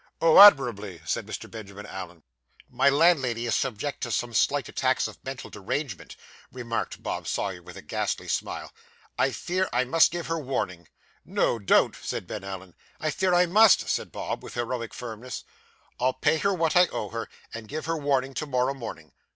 'Oh, admirably,' said Mr. Benjamin Allen. 'My landlady is subject to some slight attacks of mental derangement,' remarked Bob Sawyer, with a ghastly smile; 'I fear I must give her warning.' 'No, don't,' said Ben Allen. 'I fear I must,' said Bob, with heroic firmness. 'I'll pay her what I owe her, and give her warning to morrow morning.